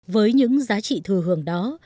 với những giá trị thừa hưởng đó